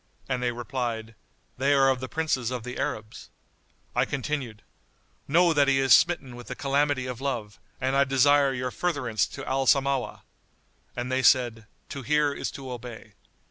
and they replied, "They are of the princes of the Arabs." I continued, "Know that he is smitten with the calamity of love and I desire your furtherance to Al Samawah." And they said, "To hear is to obey."